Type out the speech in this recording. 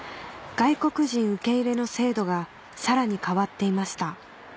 外国人受け入れの制度がさらに変わっていました